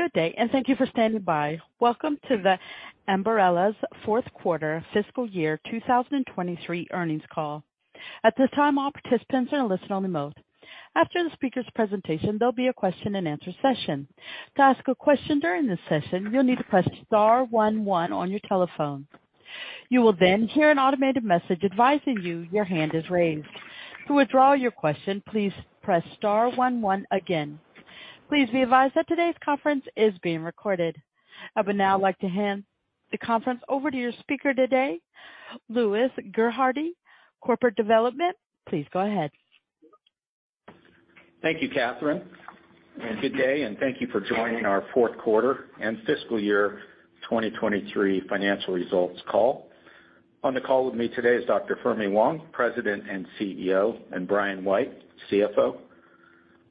Good day. Thank you for standing by. Welcome to Ambarella's fourth quarter fiscal year 2023 earnings call. At this time, all participants are in listen only mode. After the speaker's presentation, there'll be a question-and-answer session. To ask a question during this session, you'll need to press star one one on your telephone. You will hear an automated message advising you your hand is raised. To withdraw your question, please press star one one again. Please be advised that today's conference is being recorded. I would now like to hand the conference over to your speaker today, Louis Gerhardy, Corporate Development. Please go ahead. Thank you, Catherine, and good day, and thank you for joining our fourth quarter and fiscal year 2023 financial results call. On the call with me today is Dr. Fermi Wang, President and CEO, and Brian White, CFO.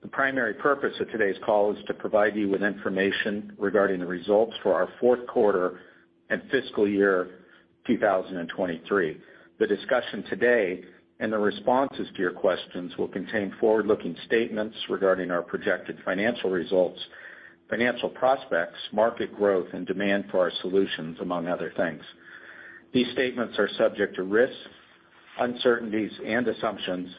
The primary purpose of today's call is to provide you with information regarding the results for our fourth quarter and fiscal year 2023. The discussion today and the responses to your questions will contain forward-looking statements regarding our projected financial results, financial prospects, market growth, and demand for our solutions, among other things. These statements are subject to risks, uncertainties, and assumptions.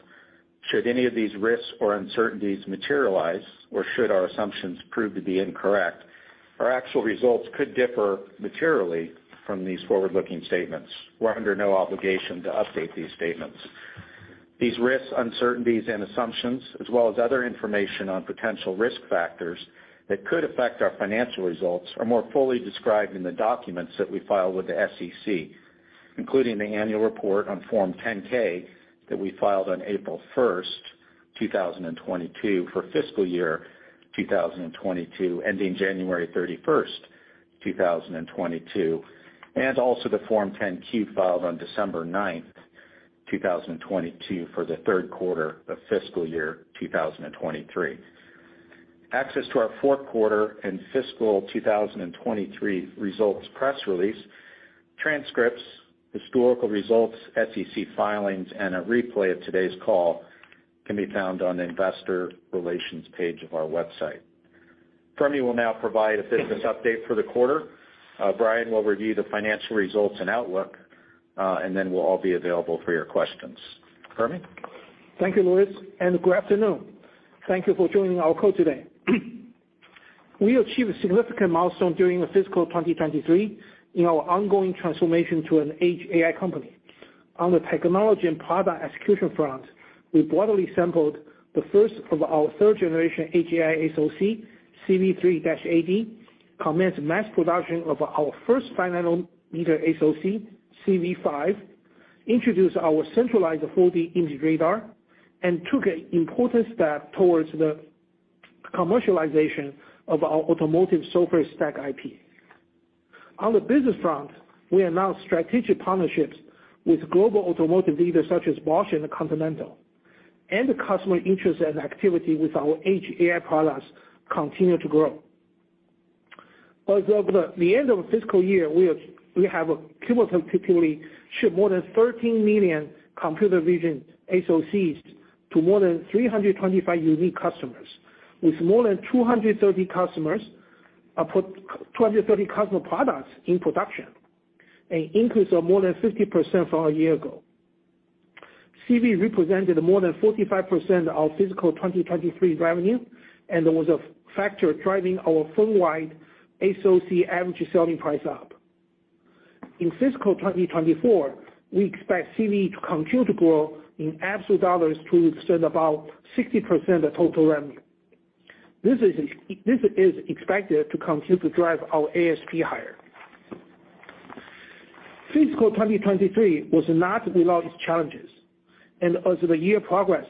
Should any of these risks or uncertainties materialize, or should our assumptions prove to be incorrect, our actual results could differ materially from these forward-looking statements. We're under no obligation to update these statements. These risks, uncertainties, and assumptions, as well as other information on potential risk factors that could affect our financial results, are more fully described in the documents that we file with the SEC, including the annual report on Form 10-K that we filed on April 1st, 2022 for fiscal year 2022, ending January 31st, 2022. Also the Form 10-Q filed on December 9th, 2022 for the third quarter of fiscal year 2023. Access to our fourth quarter and fiscal 2023 results press release, transcripts, historical results, SEC filings, and a replay of today's call can be found on the investor relations page of our website. Fermi will now provide a business update for the quarter. Brian will review the financial results and outlook, and then we'll all be available for your questions. Fermi? Thank you, Louis, and good afternoon. Thank you for joining our call today. We achieved a significant milestone during the fiscal 2023 in our ongoing transformation to an edge AI company. On the technology and product execution front, we broadly sampled the first of our third generation edge AI SoC, CV3-80, commenced mass production of our first 5nm SoC, CV5, introduced our centralized 4D imaging radar, and took an important step towards the commercialization of our automotive software stack IP. On the business front, we announced strategic partnerships with global automotive leaders such as Bosch and Continental, and the customer interest and activity with our edge AI products continue to grow. As of the end of fiscal year, we have cumulatively shipped more than 13 million computer vision SoCs to more than 325 unique customers, with more than 230 customer products in production, an increase of more than 50% from a year ago. CV represented more than 45% of fiscal 2023 revenue, and it was a factor driving our firm-wide SoC average selling price up. In fiscal 2024, we expect CV to continue to grow in absolute dollars to represent about 60% of total revenue. This is expected to continue to drive our ASP higher. Fiscal 2023 was not without its challenges. As the year progressed,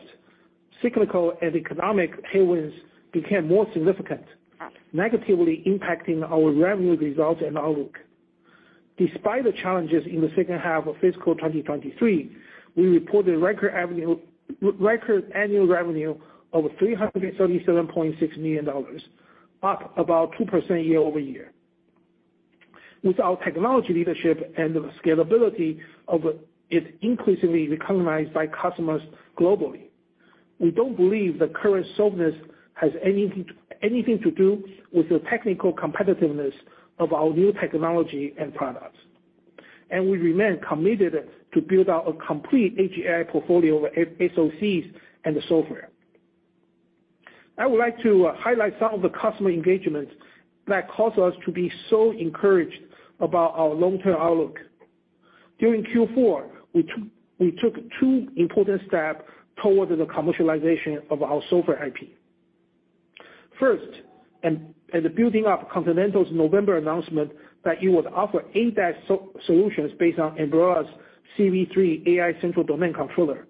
cyclical and economic headwinds became more significant, negatively impacting our revenue results and outlook. Despite the challenges in the second half of fiscal 2023, we reported record annual revenue of $337.6 million, up about 2% year-over-year. With our technology leadership and the scalability of it increasingly recognized by customers globally, we don't believe the current softness has anything to do with the technical competitiveness of our new technology and products. We remain committed to build out a complete edge AI portfolio of SoCs and the software. I would like to highlight some of the customer engagements that cause us to be so encouraged about our long-term outlook. During Q4, we took two important steps towards the commercialization of our software IP. First, and building up Continental's November announcement that it would offer ADAS solutions based on Ambarella's CV3 AI central domain controller.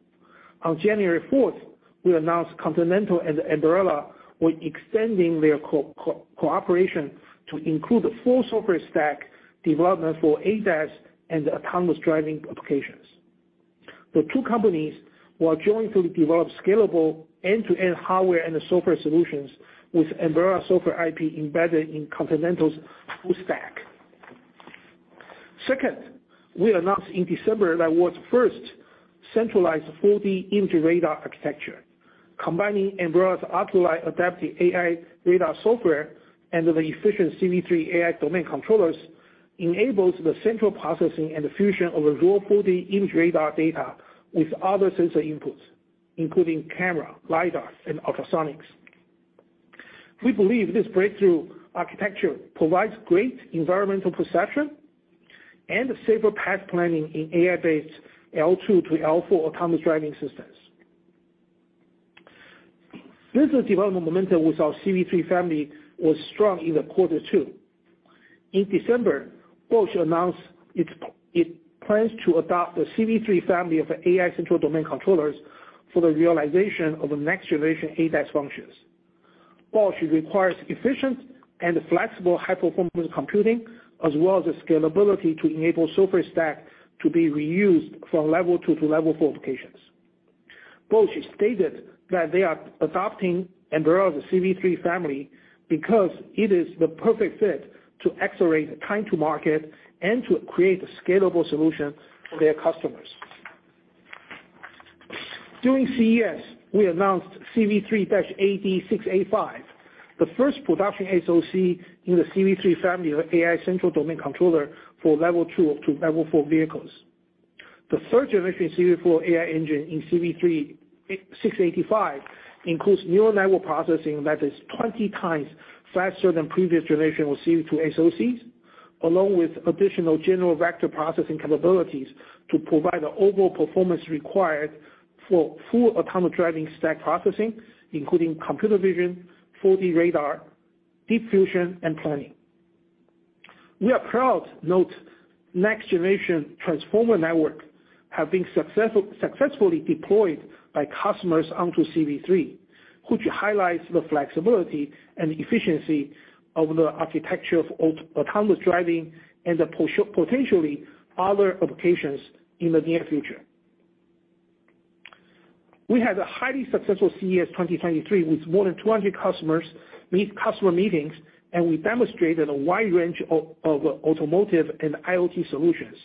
On January 4th, we announced Continental and Ambarella were extending their cooperation to include the full software stack development for ADAS and autonomous driving applications. The two companies will jointly develop scalable end-to-end hardware and software solutions with Ambarella software IP embedded in Continental's full stack. Second, we announced in December that world's first centralized 4D imaging radar architecture, combining Ambarella's Oculii adaptive AI radar software and the efficient CV3 AI domain controllers enables the central processing and the fusion of a raw 4D imaging radar data with other sensor inputs, including camera, LiDAR, and ultrasonics. We believe this breakthrough architecture provides great environmental perception and safer path planning in AI-based L2 to L4 autonomous driving systems. Business development momentum with our CV3 family was strong in the quarter too. In December, Bosch announced it plans to adopt the CV3 family of AI central domain controllers for the realization of the next-generation ADAS functions. Bosch requires efficient and flexible high-performance computing, as well as the scalability to enable software stack to be reused from Level 2 to Level 4 applications. Bosch stated that they are adopting Ambarella's CV3 family because it is the perfect fit to accelerate time to market and to create scalable solution for their customers. During CES, we announced CV3-AD685, the first production SoC in the CV3 family of AI central domain controller for Level 2 to Level 4 vehicles. The third generation CVflow AI engine in CV3-AD685 includes neural network processing that is 20 times faster than previous generation of CV2 SoCs, along with additional general vector processing capabilities to provide the overall performance required for full autonomous driving stack processing, including computer vision, 4D radar, deep fusion and planning. We are proud to note next-generation transformer network have been successfully deployed by customers onto CV3, which highlights the flexibility and efficiency of the architecture of autonomous driving and potentially other applications in the near future. We had a highly successful CES 2023, with more than 200 customer meetings, and we demonstrated a wide range of automotive and IoT solutions,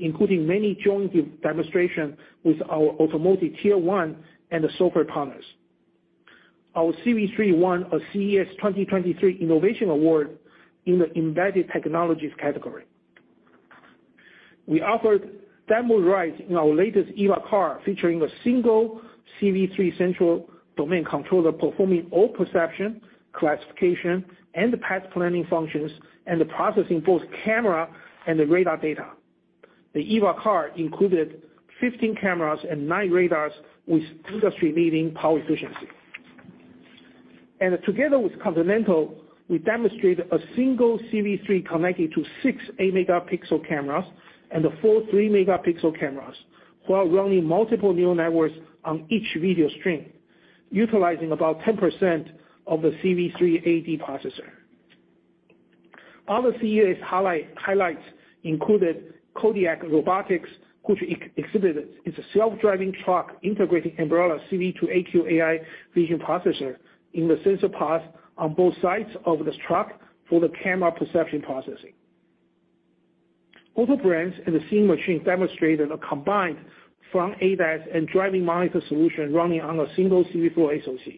including many joint demonstrations with our automotive tier one and the software partners. Our CV3 won a CES 2023 Innovation Award in the embedded technologies category. We offered demo rides in our latest EVA car, featuring a single CV3 central domain controller performing all perception, classification, and path planning functions, and processing both camera and the radar data. The EVA car included 15 cameras and nine radars with industry-leading power efficiency. Together with Continental, we demonstrated a single CV3 connected to six 8-megapixel cameras and four 3-megapixel cameras, while running multiple neural networks on each video stream, utilizing about 10% of the CV3-AD processor. Other CES highlights included Kodiak Robotics, which exhibited its self-driving truck integrating Ambarella's CV2AQ AI vision processor in the sensor path on both sides of this truck for the camera perception processing. Autobrains and Seeing Machines demonstrated a combined front ADAS and driving monitor solution running on a single CVflow SoC.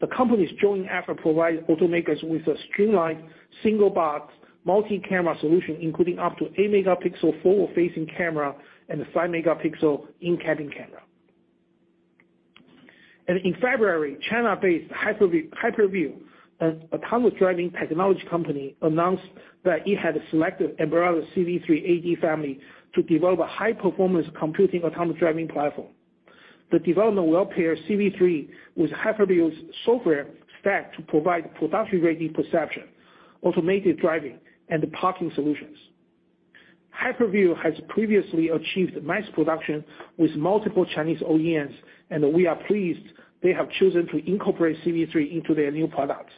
The company's joint effort provides automakers with a streamlined single box multi-camera solution, including up to 8-megapixel forward-facing camera and a 5-megapixel in-cabin camera. In February, China-based Hyperview, an autonomous driving technology company, announced that it had selected Ambarella's CV3-AD family to develop a high-performance computing autonomous driving platform. The development will pair CV3 with Hyperview's software stack to provide production-ready perception, automated driving, and parking solutions. Hyperview has previously achieved mass production with multiple Chinese OEMs, we are pleased they have chosen to incorporate CV3 into their new products.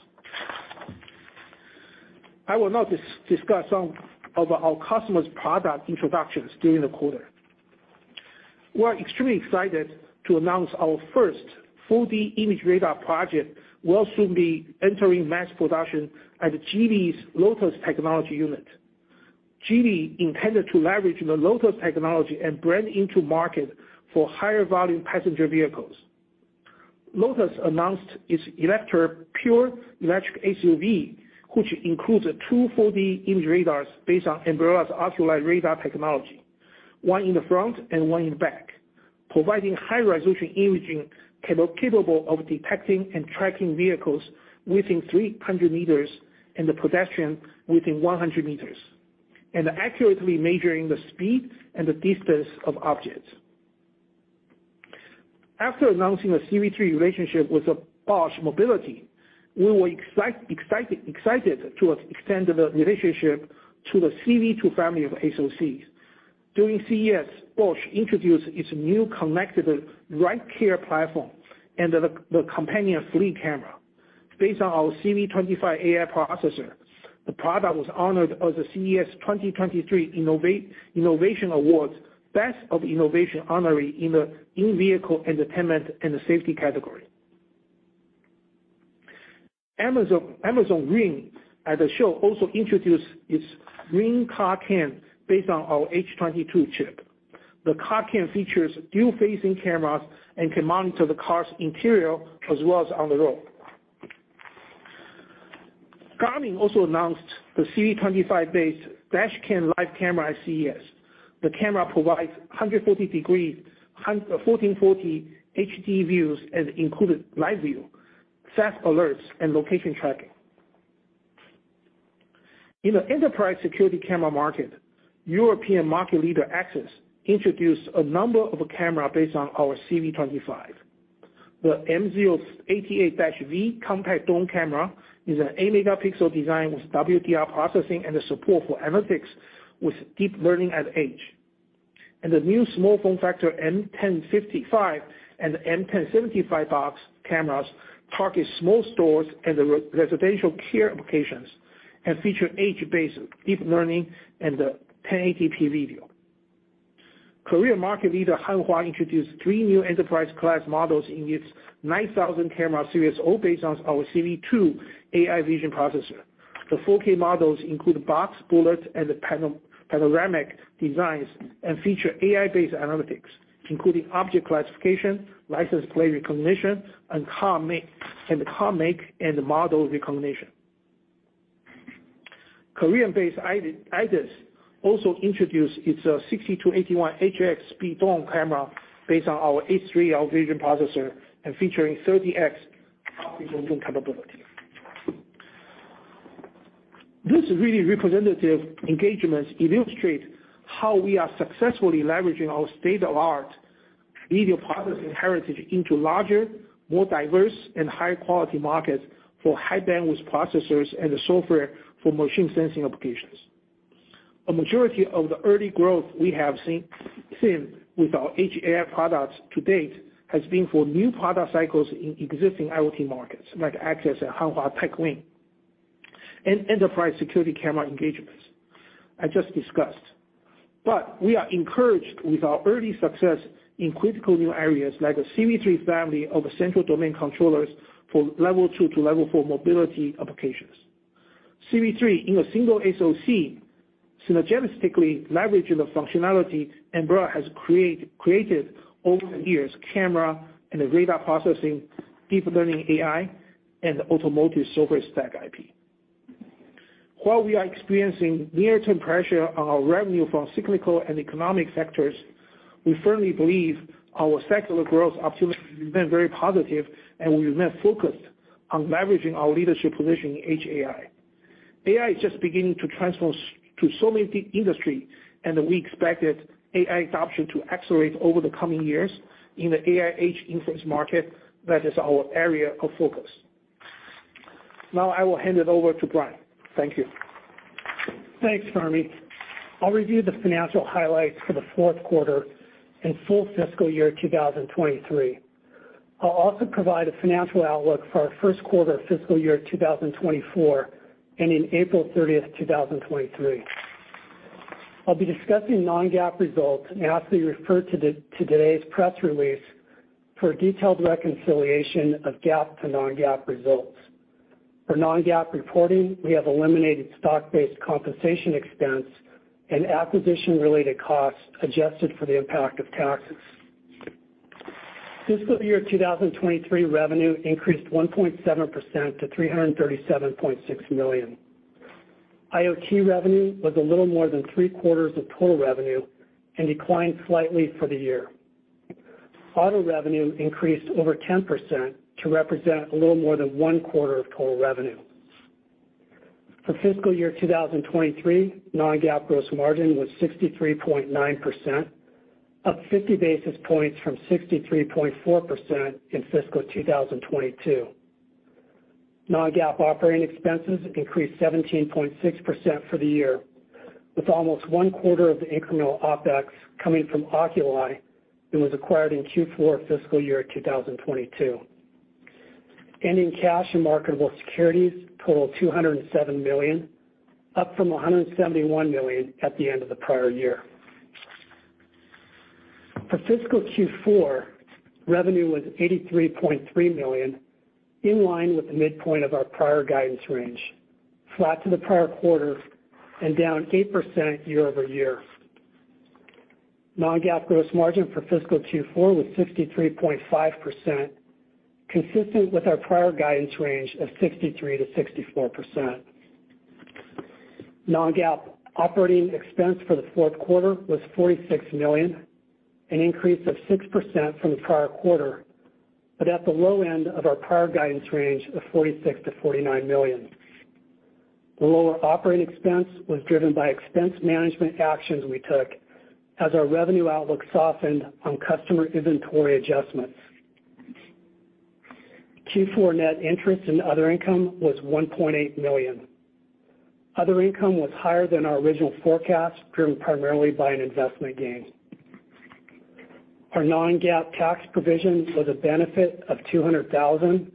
I will now discuss some of our customers' product introductions during the quarter. We are extremely excited to announce our first 4D imaging radar project will soon be entering mass production at Geely's Lotus Technology unit. Geely intended to leverage the Lotus technology and brand into market for higher volume passenger vehicles. Lotus announced its Eletre pure electric SUV, which includes two 4D imaging radars based on Ambarella's Oculii radar technology, one in the front and one in the back, providing high-resolution imaging capable of detecting and tracking vehicles within 300 meters and the pedestrian within 100 meters, and accurately measuring the speed and the distance of objects. After announcing a CV3 relationship with Bosch Mobility, we were excited to extend the relationship to the CV2 family of SoCs. During CES, Bosch introduced its new connected RideCare platform and the companion fleet camera based on our CV25 AI processor. The product was honored as a CES 2023 Innovation Awards Best of Innovation honoree in the in-vehicle entertainment and safety category. Amazon Ring at the show also introduced its Ring Car Cam based on our H22 chip. The Car Cam features dual-facing cameras and can monitor the car's interior as well as on the road. Garmin also announced the CV25-based Dash Cam Live camera at CES. The camera provides 140 degrees, 1440 HD views and included live view, theft alerts, and location tracking. In the enterprise security camera market, European market leader Axis introduced a number of cameras based on our CV25. The M3088-V compact dome camera is an 8-megapixel design with WDR processing and the support for analytics with deep learning at edge. The new small form factor M1055 and M1075 box cameras target small stores and residential care applications and feature edge-based deep learning and 1080p video. Korean market leader Hanwha introduced three new enterprise-class models in its 9,000 camera series, all based on our CV2 AI vision processor. The 4K models include box, bullet, and panel-panoramic designs and feature AI-based analytics, including object classification, license plate recognition, and car make and model recognition. Korean-based IDIS also introduced its DC-S6281HX Speed Dome camera based on our S3L vision processor and featuring 30x optical zoom capability. These really representative engagements illustrate how we are successfully leveraging our state-of-the-art video processing heritage into larger, more diverse, and higher quality markets for high-bandwidth processors and the software for machine sensing applications. A majority of the early growth we have seen with our edge AI products to date has been for new product cycles in existing IoT markets like Axis and Hanwha Techwin and enterprise security camera engagements I just discussed. We are encouraged with our early success in critical new areas like a CV3 family of central domain controllers for Level 2 to Level 4 mobility applications. CV3 in a single SoC synergistically leveraging the functionality Ambarella has created over the years, camera and radar processing, deep learning AI, and automotive software stack IP. While we are experiencing near-term pressure on our revenue from cyclical and economic sectors, we firmly believe our secular growth opportunities remain very positive, and we remain focused on leveraging our leadership position in edge AI. AI is just beginning to transform so many industries, and we expect that AI adoption to accelerate over the coming years in the AI edge inference market. That is our area of focus. Now I will hand it over to Brian. Thank you. Thanks, Fermi. I'll review the financial highlights for the fourth quarter and full fiscal year 2023. I'll also provide a financial outlook for our first quarter of fiscal year 2024 ending April 30, 2023. I'll be discussing non-GAAP results. I ask that you refer to today's press release for a detailed reconciliation of GAAP to non-GAAP results. For non-GAAP reporting, we have eliminated stock-based compensation expense and acquisition-related costs adjusted for the impact of taxes. Fiscal year 2023 revenue increased 1.7% to $337.6 million. IoT revenue was a little more than three-quarters of total revenue and declined slightly for the year. Auto revenue increased over 10% to represent a little more than one-quarter of total revenue. For fiscal year 2023, non-GAAP gross margin was 63.9%, up 50 basis points from 63.4% in fiscal 2022. Non-GAAP operating expenses increased 17.6% for the year, with almost one-quarter of the incremental OpEx coming from Oculii and was acquired in Q4 fiscal year 2022. Ending cash and marketable securities total $207 million, up from $171 million at the end of the prior year. For fiscal Q4, revenue was $83.3 million, in line with the midpoint of our prior guidance range, flat to the prior quarter and down 8% year-over-year. Non-GAAP gross margin for fiscal Q4 was 63.5%, consistent with our prior guidance range of 63%-64%. Non-GAAP operating expense for the fourth quarter was $46 million, an increase of 6% from the prior quarter, at the low end of our prior guidance range of $46 million-$49 million. The lower operating expense was driven by expense management actions we took as our revenue outlook softened on customer inventory adjustments. Q4 net interest and other income was $1.8 million. Other income was higher than our original forecast, driven primarily by an investment gain. Our non-GAAP tax provision was a benefit of $200,000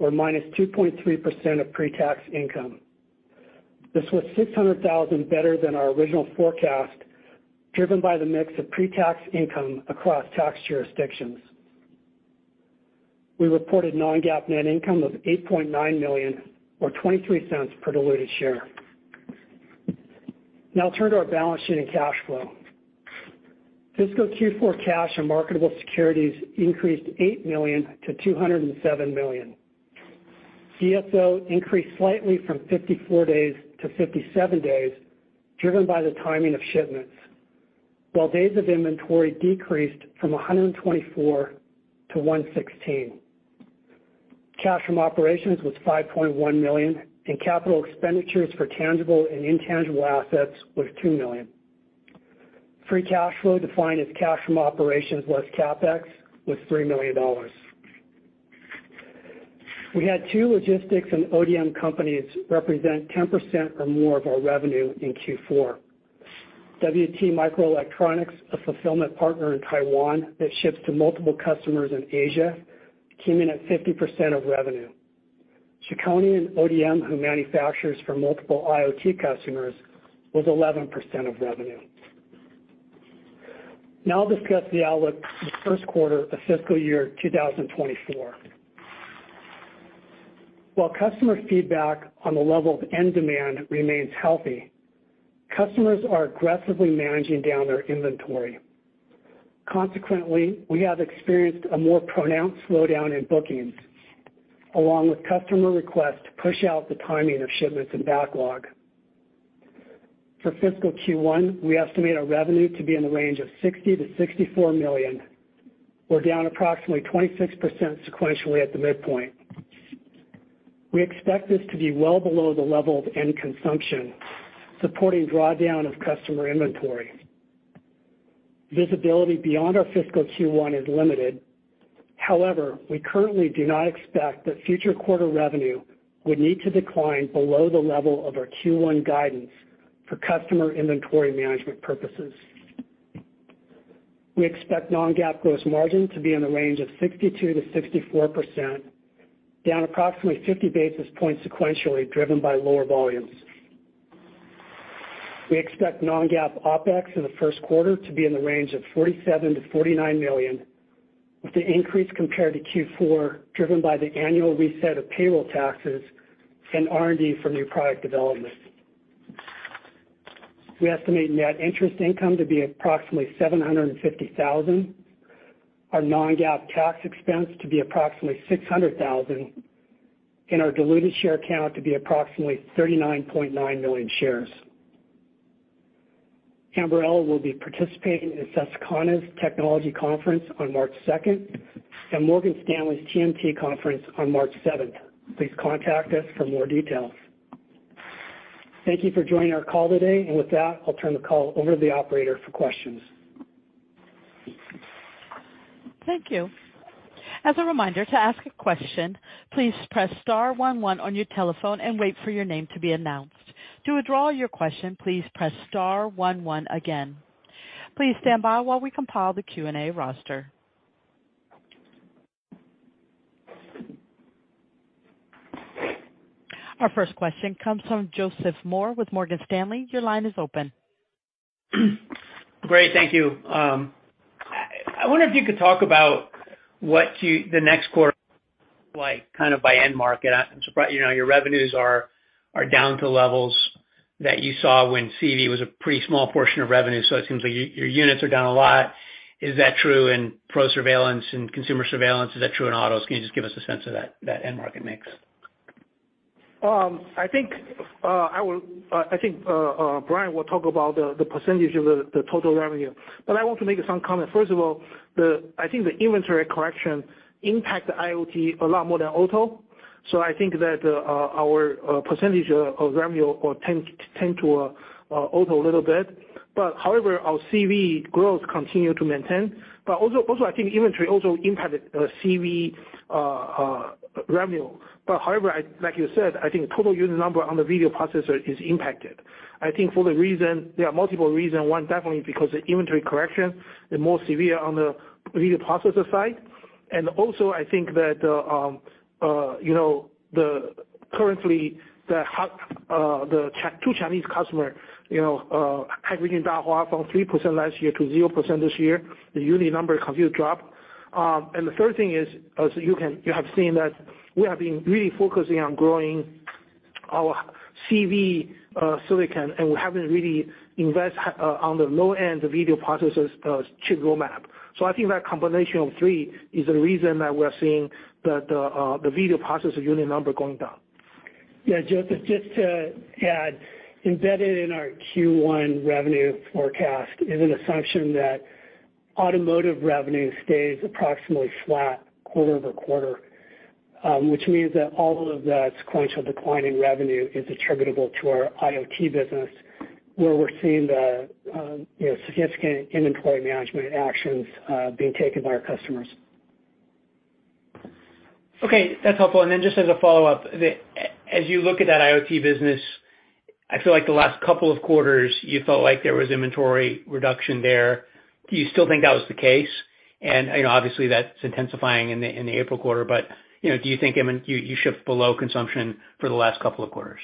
or -2.3% of pre-tax income. This was $600,000 better than our original forecast, driven by the mix of pre-tax income across tax jurisdictions. We reported non-GAAP net income of $8.9 million, or $0.23 per diluted share. I'll turn to our balance sheet and cash flow. Fiscal Q4 cash and marketable securities increased $8 million to $207 million. DSO increased slightly from 54 days to 57 days, driven by the timing of shipments, while days of inventory decreased from 124 to 116. Cash from operations was $5.1 million, and capital expenditures for tangible and intangible assets was $2 million. Free cash flow defined as cash from operations less CapEx was $3 million. We had two logistics and ODM companies represent 10% or more of our revenue in Q4. WT Microelectronics, a fulfillment partner in Taiwan that ships to multiple customers in Asia, came in at 50% of revenue. Chicony, an ODM who manufactures for multiple IoT customers, was 11% of revenue. Now I'll discuss the outlook for the first quarter of fiscal year 2024. While customer feedback on the level of end demand remains healthy, customers are aggressively managing down their inventory. Consequently, we have experienced a more pronounced slowdown in bookings, along with customer requests to push out the timing of shipments and backlog. For fiscal Q1, we estimate our revenue to be in the range of $60 million-$64 million. We're down approximately 26% sequentially at the midpoint. We expect this to be well below the level of end consumption, supporting drawdown of customer inventory. Visibility beyond our fiscal Q1 is limited. However, we currently do not expect that future quarter revenue would need to decline below the level of our Q1 guidance for customer inventory management purposes. We expect non-GAAP gross margin to be in the range of 62%-64%, down approximately 50 basis points sequentially, driven by lower volumes. We expect non-GAAP OpEx in the first quarter to be in the range of $47 million-$49 million, with the increase compared to Q4 driven by the annual reset of payroll taxes and R&D for new product development. We estimate net interest income to be approximately $750,000, our non-GAAP tax expense to be approximately $600,000, and our diluted share count to be approximately 39.9 million shares. Ambarella will be participating in Susquehanna's technology conference on March 2nd, and Morgan Stanley's TMT Conference on March 7th. Please contact us for more details. Thank you for joining our call today. With that, I'll turn the call over to the operator for questions. Thank you. As a reminder, to ask a question, please press star one one on your telephone and wait for your name to be announced. To withdraw your question, please press star one one again. Please stand by while we compile the Q&A roster. Our first question comes from Joseph Moore with Morgan Stanley. Your line is open. Great, thank you. I wonder if you could talk about what the next quarter look like, kind of by end market. You know, your revenues are down to levels that you saw when CV was a pretty small portion of revenue, so it seems like your units are down a lot. Is that true in pro surveillance and consumer surveillance? Is that true in autos? Can you just give us a sense of that end market mix? I think I will, I think Brian will talk about the percentage of the total revenue. I want to make some comment. First of all, I think the inventory correction impact IoT a lot more than auto. I think that our percentage of revenue tend to auto a little bit. However, our CV growth continue to maintain. Also I think inventory also impacted CV revenue. However, like you said, I think total unit number on the video processor is impacted. I think for the reason, there are multiple reasons. One, definitely because the inventory correction is more severe on the video processor side. Also I think that, you know, the currently the two Chinese customer, you know, have reduced our offer from 3% last year to 0% this year. The unit number have just dropped. The third thing is, as you have seen that we have been really focusing on growing our CV silicon, and we haven't really invest on the low-end video processors, chip roadmap. I think that combination of three is the reason that we're seeing the video processor unit number going down. Joseph, just to add, embedded in our Q1 revenue forecast is an assumption that automotive revenue stays approximately flat quarter-over-quarter, which means that all of the sequential decline in revenue is attributable to our IoT business, where we're seeing the, you know, significant inventory management actions being taken by our customers. Okay, that's helpful. Then just as a follow-up, the, as you look at that IoT business, I feel like the last couple of quarters, you felt like there was inventory reduction there. Do you still think that was the case? You know, obviously, that's intensifying in the, in the April quarter. you know, do you think, I mean, you shipped below consumption for the last couple of quarters?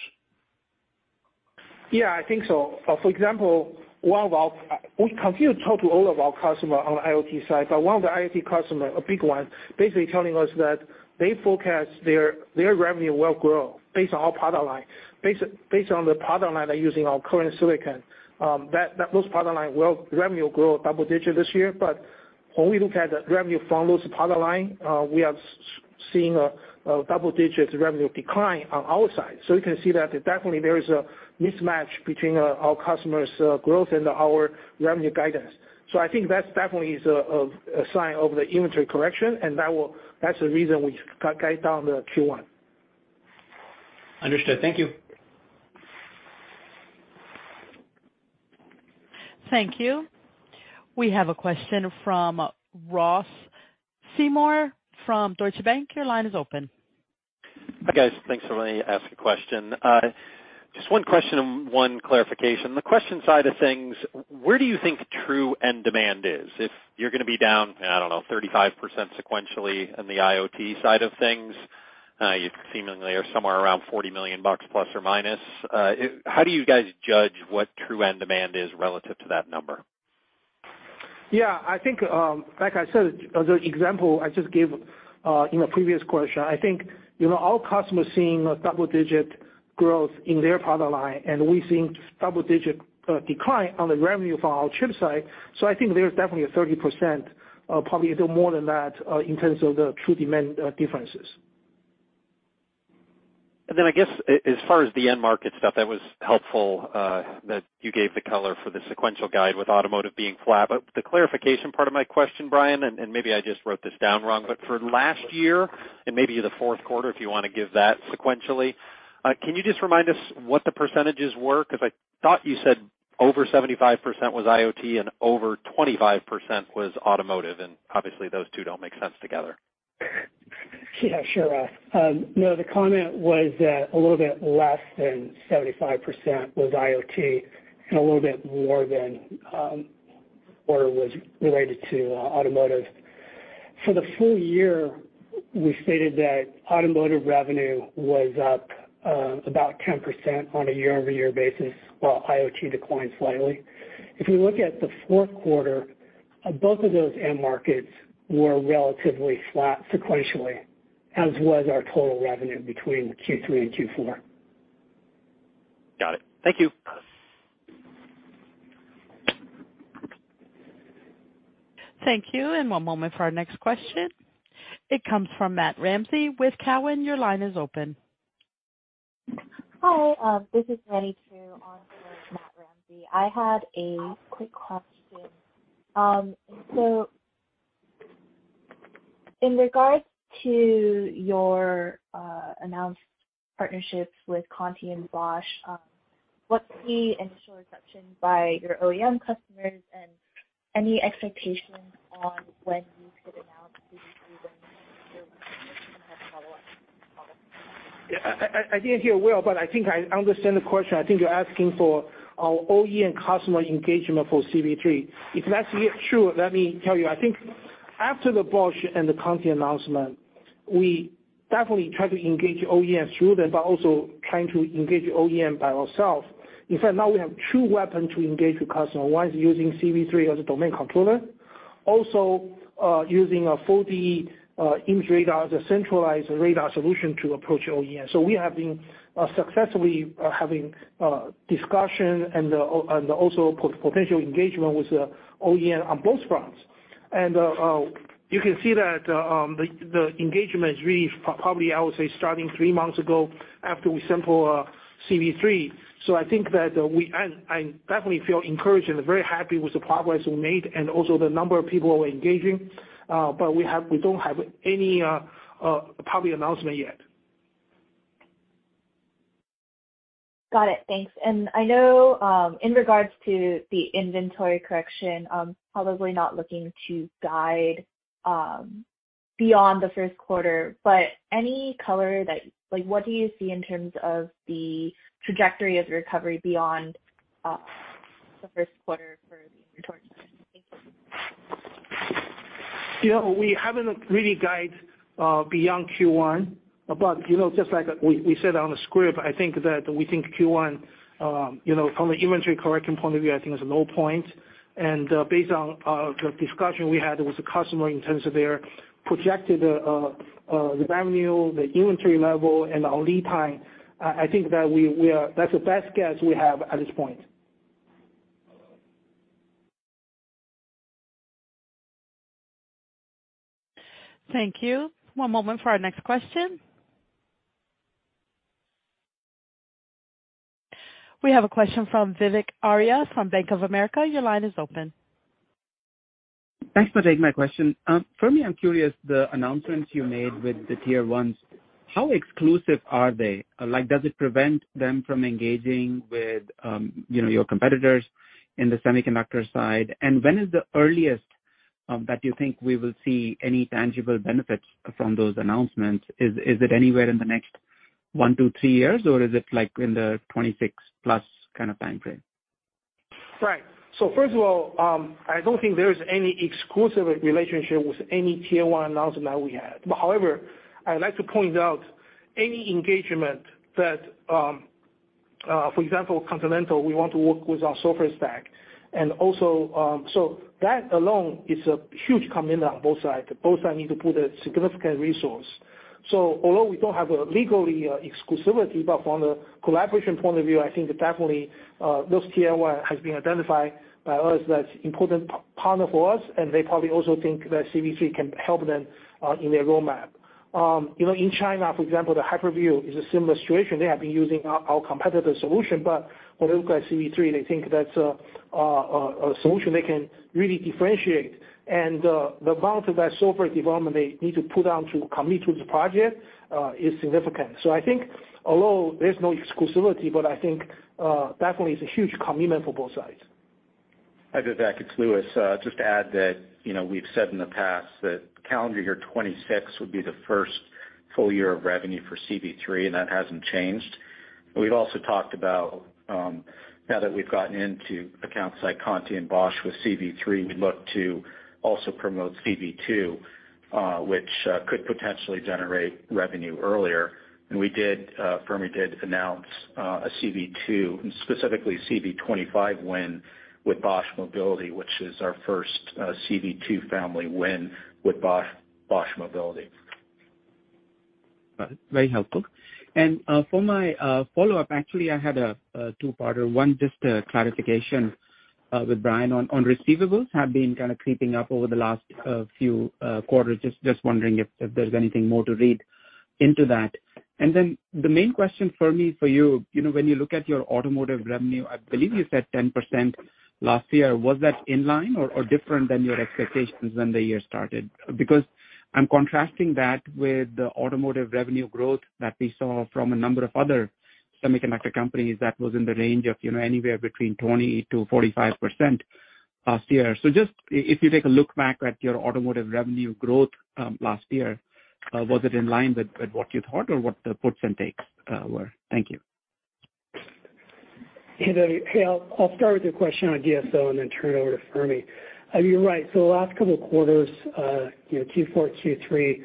Yeah, I think so. For example, one of our we continue to talk to all of our customer on the IoT side, one of the IoT customer, a big one, basically telling us that they forecast their revenue will grow based on our product line. Based on the product line, they're using our current silicon, that those product line will revenue grow double-digit this year. When we look at the revenue from those product line, we are seeing a double-digit revenue decline on our side. You can see that definitely there is a mismatch between our customers growth and our revenue guidance. I think that's definitely is a sign of the inventory correction, and that will that's the reason we cut guide down the Q1. Understood. Thank you. Thank you. We have a question from Ross Seymore from Deutsche Bank. Your line is open. Hi, guys. Thanks for letting me ask a question. Just one question and one clarification. The question side of things, where do you think true end demand is? If you're gonna be down, I don't know, 35% sequentially on the IoT side of things, you seemingly are somewhere around $40 million±. How do you guys judge what true end demand is relative to that number? Yeah, I think, like I said, the example I just gave, in a previous question, I think, you know, our customers seeing a double-digit growth in their product line, and we're seeing double-digit decline on the revenue for our chip side. I think there's definitely a 30%, probably even more than that, in terms of the true demand, differences. I guess as far as the end market stuff, that was helpful that you gave the color for the sequential guide with automotive being flat. The clarification part of my question, Brian, and maybe I just wrote this down wrong, but for last year and maybe the fourth quarter, if you wanna give that sequentially, can you just remind us what the percentages were? I thought you said over 75% was IoT and over 25% was automotive, and obviously those two don't make sense together. Yeah, sure, Ross. No, the comment was that a little bit less than 75% was IoT and a little bit more than quarter was related to automotive. For the full year, we stated that automotive revenue was up about 10% on a year-over-year basis, while IoT declined slightly. If we look at the fourth quarter, both of those end markets were relatively flat sequentially, as was our total revenue between Q3 and Q4. Got it. Thank you. Thank you. One moment for our next question. It comes from Matt Ramsay with Cowen. Your line is open. Hi. This is Lannie Trieu on the line with Matthew Ramsay. I had a quick question. In regards to your announced partnerships with Conti and Bosch, what's the initial reception by your OEM customers and any expectations on when you could announce CV3 win? I have a follow-up. Yeah. I didn't hear well, but I think I understand the question. I think you're asking for our OEM customer engagement for CV3. If that's true, let me tell you, I think after the Bosch and the Conti announcement, we definitely try to engage OEM through them, but also trying to engage OEM by ourselves. In fact, now we have two weapons to engage the customer. One is using CV3 as a domain controller, also, using a 4D imaging radar as a centralized radar solution to approach OEM. We have been successfully having discussion and also potential engagement with the OEM on both fronts. You can see that the engagement is really probably, I would say, starting three months ago after we sample CV3. I think that, and I definitely feel encouraged and very happy with the progress we made and also the number of people we're engaging. We don't have any public announcement yet. Got it. Thanks. I know, in regards to the inventory correction, probably not looking to guide, beyond the first quarter, but any color like, what do you see in terms of the trajectory of the recovery beyond, the first quarter for the inventory correction? Thank you. You know, we haven't really guide beyond Q1. You know, just like we said on the script, I think that we think Q1, you know, from an inventory correction point of view, I think it's a low point. Based on the discussion we had with the customer in terms of their projected the revenue, the inventory level, and our lead time, I think that we are that's the best guess we have at this point. Thank you. One moment for our next question. We have a question from Vivek Arya from Bank of America. Your line is open. Thanks for taking my question. Fermi, I'm curious, the announcements you made with the tier one, how exclusive are they? Like, does it prevent them from engaging with, you know, your competitors in the semiconductor side? When is the earliest that you think we will see any tangible benefits from those announcements? Is it anywhere in the next one-three years or is it like in the 2026+ kind of time frame? Right. First of all, I don't think there is any exclusive relationship with any tier one announcement that we had. However, I'd like to point out any engagement that, for example, Continental, we want to work with our software stack. That alone is a huge commitment on both sides. Both sides need to put a significant resource. Although we don't have a legally exclusivity, but from the collaboration point of view, I think definitely those tier one has been identified by us as important partner for us, and they probably also think that CV3 can help them in their roadmap. You know, in China, for example, the Hyperview is a similar situation. They have been using our competitor solution, but when they look at CV3, they think that's a solution they can really differentiate. The amount of that software development they need to put down to commit to the project is significant. I think although there's no exclusivity, but I think definitely it's a huge commitment for both sides. Hi Vivek, it's Louis. Just to add that, you know, we've said in the past that calendar year 2026 would be the first full year of revenue for CV3. That hasn't changed. We've also talked about, now that we've gotten into accounts like Conti and Bosch with CV3, we look to also promote CV2, which could potentially generate revenue earlier. We did, Fermi did announce a CV2, specifically CV25 win with Bosch Mobility, which is our first CV2 family win with Bosch Mobility. Got it. Very helpful. For my follow-up, actually, I had a two-parter. One, just a clarification with Brian White on receivables have been kind of creeping up over the last few quarters. Just wondering if there's anything more to read into that. Then the main question for me for you know, when you look at your automotive revenue, I believe you said 10% last year, was that in line or different than your expectations when the year started? Because I'm contrasting that with the automotive revenue growth that we saw from a number of other semiconductor companies that was in the range of, you know, anywhere between 20%-45% last year. Just if you take a look back at your automotive revenue growth, last year, was it in line with what you thought or what the puts and takes were? Thank you. I'll start with your question on DSO and then turn it over to Fermi. You're right. The last couple of quarters, you know, Q4, Q3,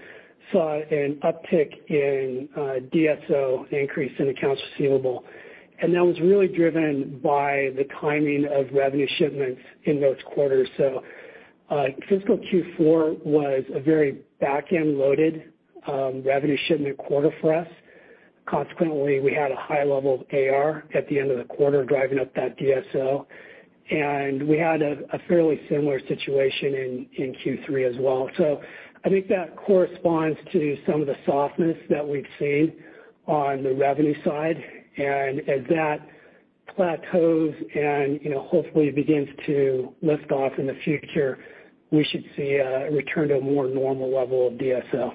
saw an uptick in DSO increase in accounts receivable, and that was really driven by the timing of revenue shipments in those quarters. Fiscal Q4 was a very back-end loaded revenue shipment quarter for us. Consequently, we had a high level of AR at the end of the quarter driving up that DSO. We had a fairly similar situation in Q3 as well. I think that corresponds to some of the softness that we've seen on the revenue side. As that plateaus and, you know, hopefully begins to lift off in the future, we should see a return to a more normal level of DSO.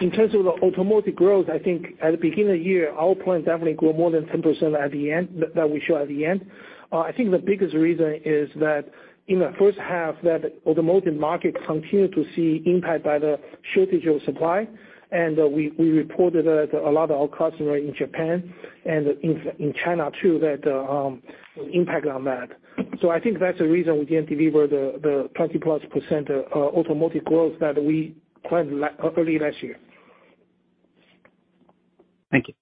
In terms of the automotive growth, I think at the beginning of the year, our plan definitely grow more than 10% at the end, that we show at the end. I think the biggest reason is that in the first half, that automotive market continued to see impact by the shortage of supply. We reported that a lot of our customer in Japan and in China too, that was impact on that. I think that's the reason we didn't deliver the 20%+ automotive growth that we planned early last year. Thank you.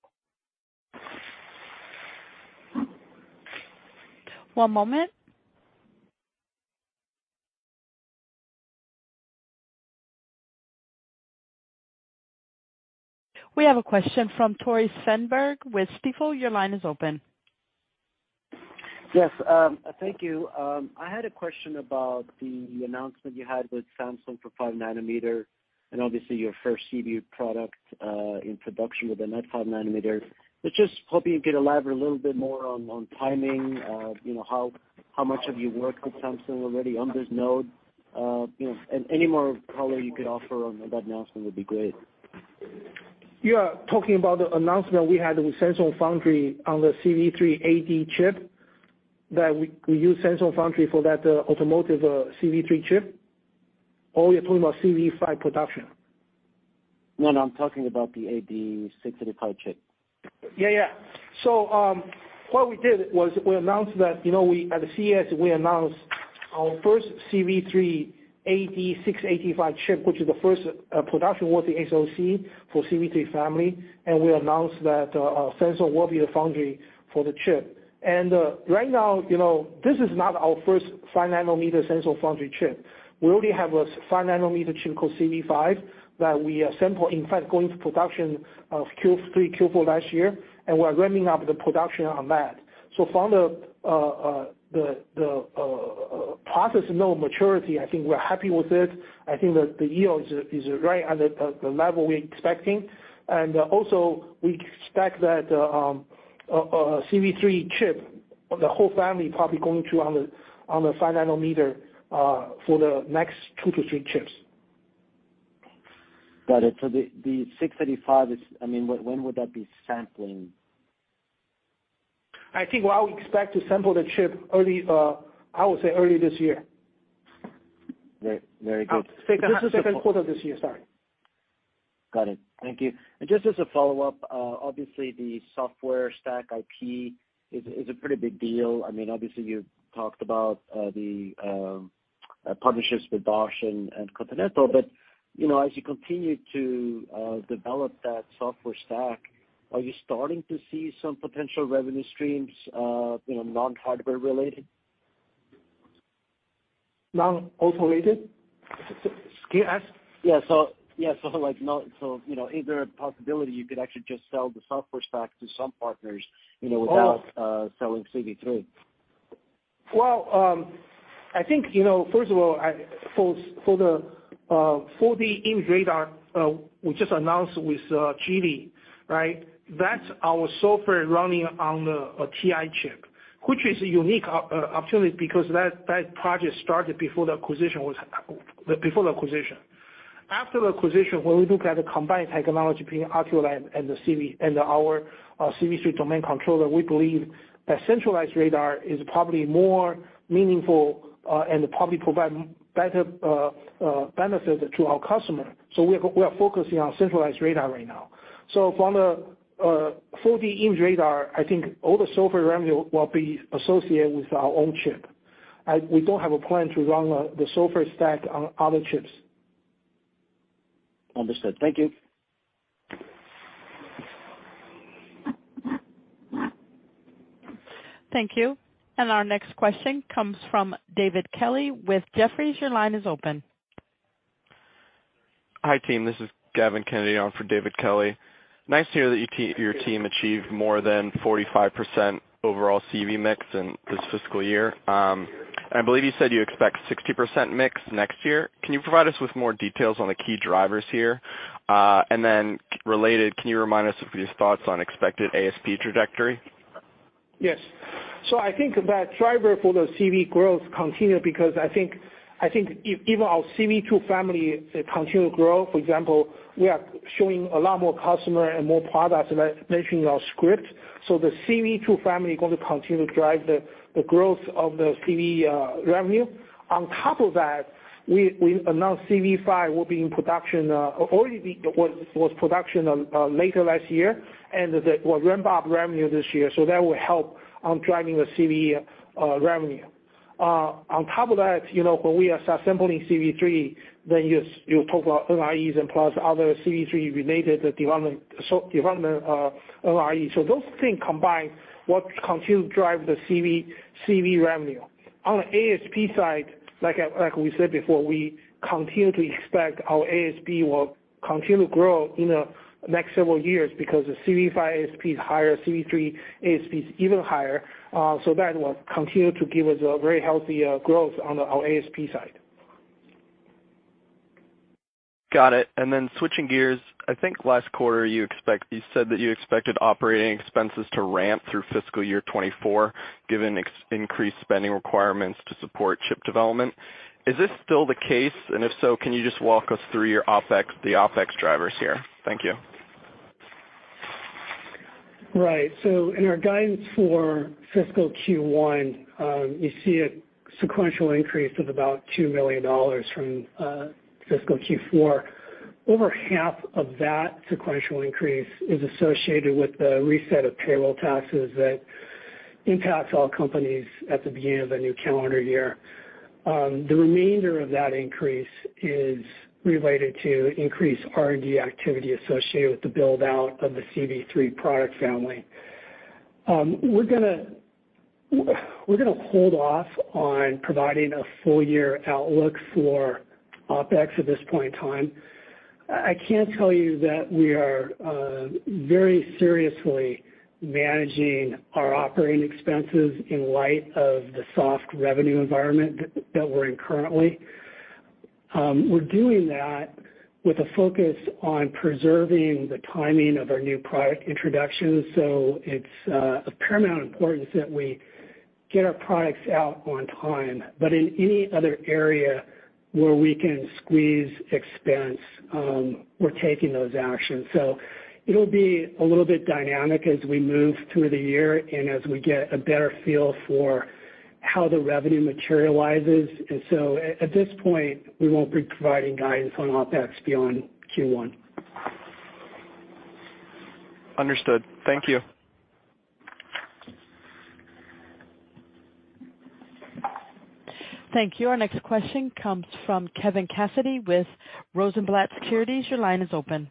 One moment. We have a question from Tore Svanberg with Stifel. Your line is open. Yes. Thank you. I had a question about the announcement you had with Samsung for five nm and obviously your first CV product introduction within that five nm. Just hoping you could elaborate a little bit more on timing, you know, how much have you worked with Samsung already on this node? You know, and any more color you could offer on that announcement would be great. You are talking about the announcement we had with Samsung Foundry on the CV3-AD685 chip that we use Samsung Foundry for that automotive CV3 chip? Or you're talking about CV5 production? No, no, I'm talking about the AD685 chip. Yeah, yeah. What we did was we announced that, you know, we, at the CES, we announced our first CV3-AD685 chip, which is the first production-worthy SoC for CV3 family. We announced that Samsung will be the foundry for the chip. Right now, you know, this is not our first five nm Samsung Foundry chip. We already have a five nm chip called CV5 that we sample, in fact, going to production of Q3, Q4 last year, and we're ramping up the production on that. From the process node maturity, I think we're happy with it. I think that the yield is right at the level we're expecting. Also we expect that CV3 chip, the whole family probably going to on the 5nm for the next two to three chips. Got it. The 685, I mean, when would that be sampling? I think what we expect to sample the chip early, I would say early this year. Very, very good. This is the second quarter this year. Sorry. Got it. Thank you. Just as a follow-up, obviously the software stack IP is a pretty big deal. I mean, obviously, you talked about the partnerships with Bosch and Continental. You know, as you continue to develop that software stack, are you starting to see some potential revenue streams, you know, non-hardware related? Non-auto related? Can you ask? Yeah, so, yeah. Like not, you know, is there a possibility you could actually just sell the software stack to some partners, you know, without selling CV3? I think, you know, first of all, for the 4D imaging radar, we just announced with Geely, right? That's our software running on the TI chip, which is a unique opportunity because that project started before the acquisition. After the acquisition, when we look at the combined technology between Oculii and the CV and our CV3 domain controller, we believe that centralized radar is probably more meaningful and probably provide better benefit to our customer. We are focusing on centralized radar right now. From the 4D imaging radar, I think all the software revenue will be associated with our own chip. We don't have a plan to run the software stack on other chips. Understood. Thank you. Thank you. Our next question comes from David Kelley with Jefferies. Your line is open. Hi, team. This is Gavin Kennedy on for David Kelley. Nice to hear that your team achieved more than 45% overall CV mix in this fiscal year. I believe you said you expect 60% mix next year. Can you provide us with more details on the key drivers here? Related, can you remind us of your thoughts on expected ASP trajectory? Driver for the CV growth continues because I think even our CV2 family continues to grow. For example, we are showing a lot more customers and more products, like mentioned in our script. So the CV2 family is going to continue to drive the growth of the CV revenue. On top of that, we announced CV5 will be in production, already was production later last year, and will ramp up revenue this year, so that will help on driving the CV revenue. On top of that, you know, when we are sampling CV3, then you talk about NREs and plus other CV3 related development, so development NRE. So those things combined will continue to drive the CV revenue. On the ASP side, like we said before, we continue to expect our ASP will continue to grow in the next several years because the CV5 ASP is higher, CV3 ASP is even higher. That will continue to give us a very healthy growth on our ASP side. Got it. Then switching gears, I think last quarter you said that you expected OpEx to ramp through fiscal year 2024, given increased spending requirements to support chip development. Is this still the case? If so, can you just walk us through your OpEx drivers here? Thank you. Right. In our guidance for fiscal Q1, you see a sequential increase of about $2 million from fiscal Q4. Over half of that sequential increase is associated with the reset of payroll taxes that impacts all companies at the beginning of the new calendar year. The remainder of that increase is related to increased R&D activity associated with the build-out of the CV3 product family. We're gonna hold off on providing a full year outlook for OpEx at this point in time. I can tell you that we are very seriously managing our operating expenses in light of the soft revenue environment that we're in currently. We're doing that with a focus on preserving the timing of our new product introductions. It's of paramount importance that we get our products out on time. In any other area where we can squeeze expense, we're taking those actions. It'll be a little bit dynamic as we move through the year and as we get a better feel for how the revenue materializes. At this point, we won't be providing guidance on OpEx beyond Q1. Understood. Thank you. Thank you. Our next question comes from Kevin Cassidy with Rosenblatt Securities. Your line is open.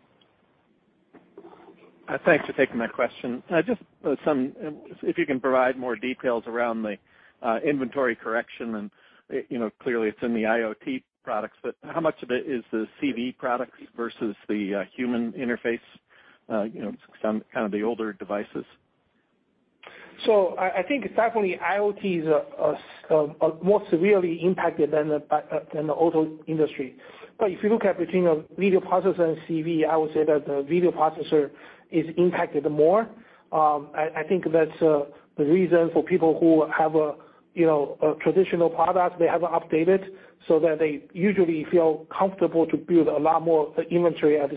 Thanks for taking my question. Just some, if you can provide more details around the inventory correction and, you know, clearly it's in the IoT products, but how much of it is the CV products versus the human interface, you know, kind of the older devices? I think definitely IoT is more severely impacted than the auto industry. If you look at between a video processor and CV, I would say that the video processor is impacted more. I think that's the reason for people who have a, you know, a traditional product, they haven't updated, so that they usually feel comfortable to build a lot more inventory at,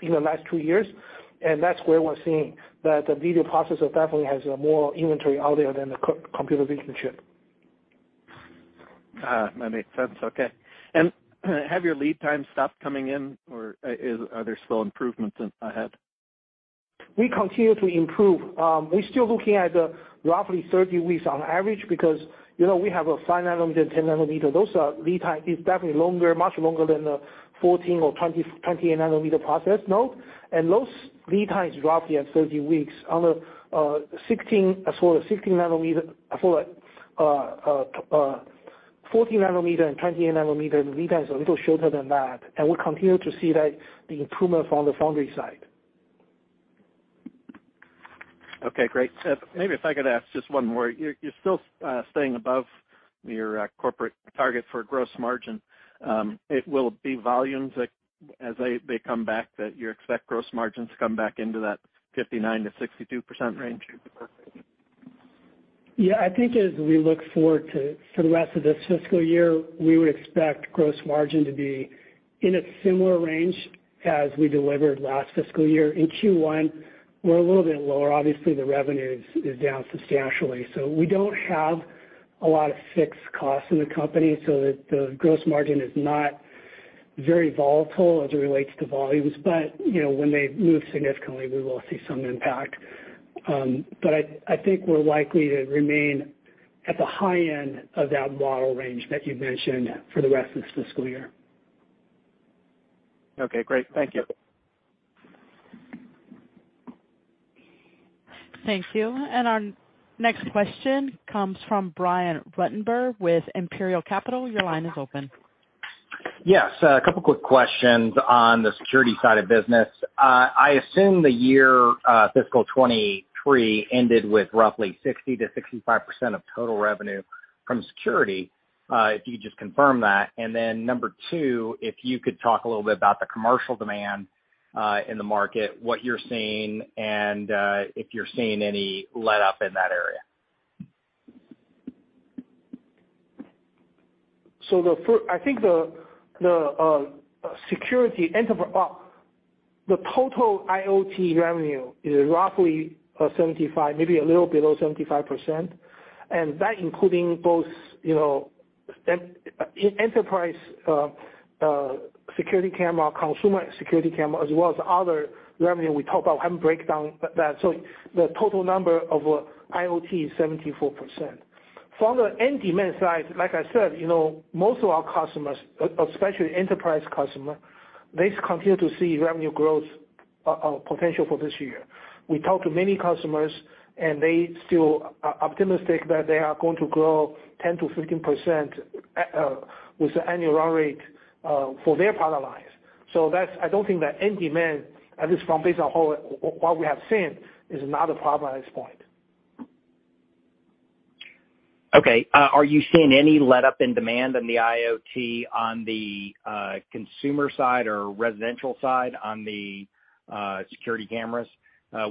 you know, last two years. That's where we're seeing that the video processor definitely has more inventory out there than the computer vision chip. That makes sense. Okay. Have your lead time stopped coming in or are there still improvements in ahead? We continue to improve. We're still looking at roughly 30 weeks on average because, you know, we have a 5 nm, 10 nm. Those are lead time is definitely longer, much longer than the 14 or 28 nm process node. Those lead times roughly at 30 weeks. On the 16 nm, as for the 14 nm and 28 nm, the lead time is a little shorter than that. We continue to see that, the improvement from the foundry side. Okay, great. Maybe if I could ask just one more. You're still staying above your corporate target for gross margin. It will be volumes that as they come back, that you expect gross margins to come back into that 59%-62% range? Yeah, I think as we look forward to the rest of this fiscal year, we would expect gross margin to be in a similar range as we delivered last fiscal year. In Q1, we're a little bit lower. Obviously, the revenue is down substantially. We don't have a lot of fixed costs in the company, so the gross margin is not very volatile as it relates to volumes. I think we're likely to remain at the high end of that model range that you mentioned for the rest of this fiscal year. Okay, great. Thank you. Thank you. Our next question comes from Brian Ruttenbur with Imperial Capital. Your line is open. Yes, a couple quick questions on the security side of business. I assume the year, fiscal 2023 ended with roughly 60%-65% of total revenue from security, if you could just confirm that. Number two, if you could talk a little bit about the commercial demand, in the market, what you're seeing, and, if you're seeing any letup in that area. I think the security enterprise total IoT revenue is roughly 75%, maybe a little below 75%, and that including both, you know, enterprise security camera, consumer security camera, as well as other revenue we talk about. I haven't break down that. The total number of IoT is 74%. From the end demand side, like I said, you know, most of our customers, especially enterprise customer, they continue to see revenue growth potential for this year. We talk to many customers, and they still are optimistic that they are going to grow 10%-15% with the annual run rate for their product lines. I don't think that end demand, at least from based on what we have seen, is not a problem at this point. Okay. Are you seeing any letup in demand on the IoT on the consumer side or residential side on the security cameras?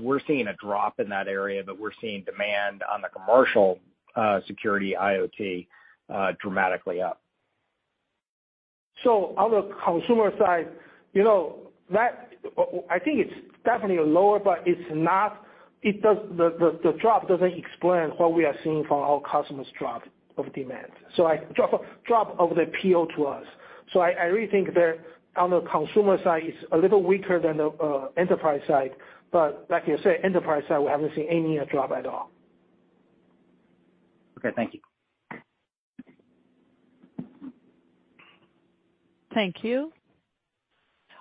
We're seeing a drop in that area, but we're seeing demand on the commercial security IoT dramatically up. On the consumer side, you know, I think it's definitely lower, but it's not. The drop doesn't explain what we are seeing from our customers' drop of demand. Drop of the PO to us. I really think that on the consumer side, it's a little weaker than the enterprise side. Like I say, enterprise side, we haven't seen any drop at all. Okay, thank you. Thank you.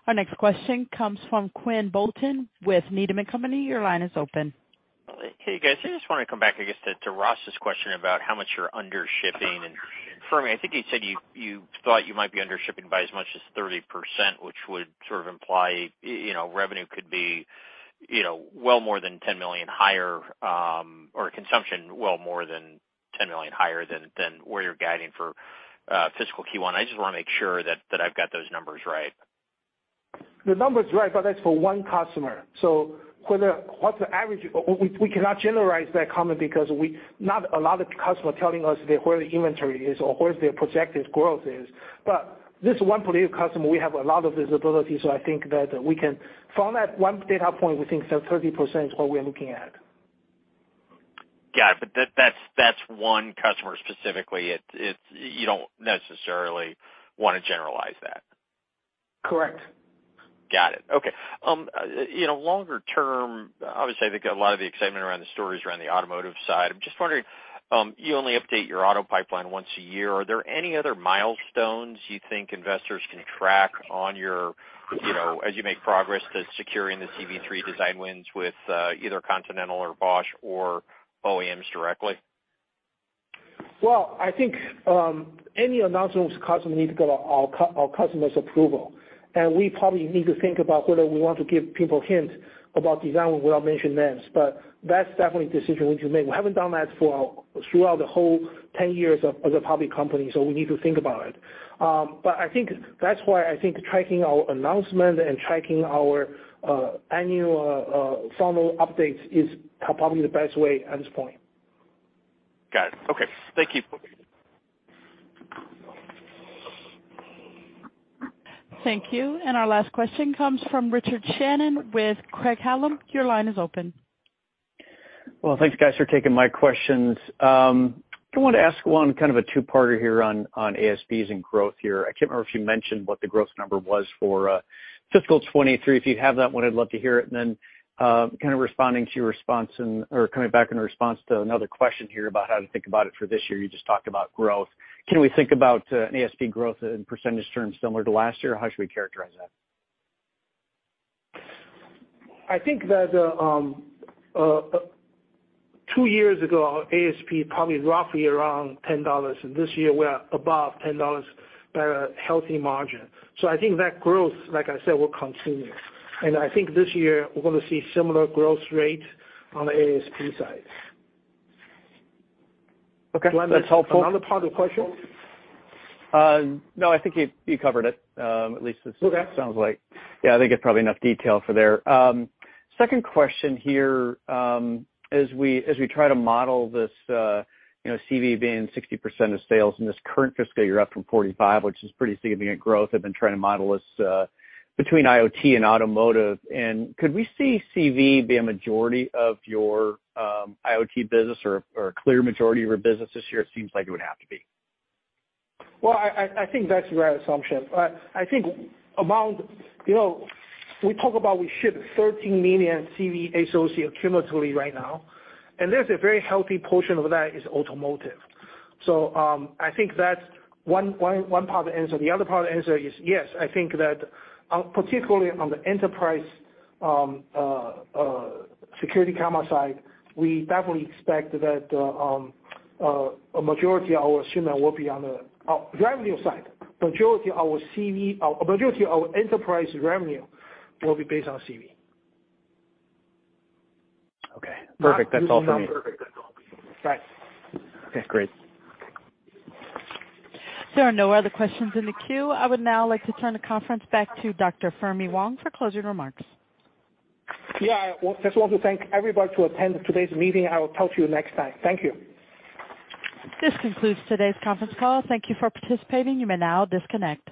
Our next question comes from Quinn Bolton with Needham & Company. Your line is open. Hey, guys. I just want to come back, I guess, to Ross's question about how much you're under shipping. Correct me, I think you said you thought you might be under shipping by as much as 30%, which would sort of imply, you know, revenue could be, you know, well more than $10 million higher, or consumption well more than $10 million higher than where you're guiding for fiscal Q1. I just want to make sure that I've got those numbers right. The number is right, but that's for one customer. We cannot generalize that comment because not a lot of customer telling us the, where the inventory is or where their projected growth is. This one big customer, we have a lot of visibility, so I think that from that one data point, we think that 30% is what we are looking at. Got it. That's one customer specifically. You don't necessarily want to generalize that. Correct. Got it. Okay. You know, longer term, obviously, I think a lot of the excitement around the story is around the automotive side. I'm just wondering, you only update your auto pipeline once a year. Are there any other milestones you think investors can track on your, you know, as you make progress to securing the CV3 design wins with, either Continental or Bosch or OEMs directly? Well, I think, any announcements, customers need to get our customer's approval. We probably need to think about whether we want to give people hints about design without mentioning names. That's definitely a decision we need to make. We haven't done that for throughout the whole 10 years of, as a public company, so we need to think about it. I think that's why I think tracking our announcement and tracking our annual formal updates is probably the best way at this point. Got it. Okay. Thank you. Thank you. Our last question comes from Richard Shannon with Craig-Hallum. Your line is open. Well, thanks, guys, for taking my questions. I want to ask one kind of a two-parter here on ASPs and growth here. I can't remember if you mentioned what the growth number was for fiscal 2023. If you have that one, I'd love to hear it. Then, kind of responding to your response and or coming back in response to another question here about how to think about it for this year, you just talked about growth. Can we think about an ASP growth in percentage terms similar to last year? How should we characterize that? I think that, two years ago, our ASP probably roughly around $10, and this year we're above $10 by a healthy margin. I think that growth, like I said, will continue. I think this year we're gonna see similar growth rate on the ASP side. Okay. That's helpful. Another part of the question? No, I think you covered it, at least. Okay. Sounds like. Yeah, I think it's probably enough detail for there. Second question here. As we, as we try to model this, you know, CV being 60% of sales in this current fiscal year up from 45%, which is pretty significant growth, I've been trying to model this between IoT and automotive. Could we see CV be a majority of your IoT business or a clear majority of your business this year? It seems like it would have to be? Well, I think that's the right assumption. I think among, you know, we talk about we ship 13 million CV SoCs cumulatively right now, and there's a very healthy portion of that is automotive. I think that's one part of the answer. The other part of the answer is yes. I think that particularly on the enterprise security camera side, we definitely expect that a majority of our shipment will be on the revenue side, a majority of our enterprise revenue will be based on CV. Okay, perfect. That's all for me. Bye. Okay, great. There are no other questions in the queue. I would now like to turn the conference back to Dr. Fermi Wang for closing remarks. Yeah, I just want to thank everybody to attend today's meeting. I will talk to you next time. Thank you. This concludes today's conference call. Thank you for participating. You may now disconnect.